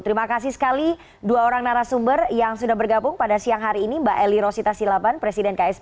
terima kasih sekali dua orang narasumber yang sudah bergabung pada siang hari ini mbak elly rosita silaban presiden ksbsi dan juga mbak bifitri susanti ahli hukum tata negara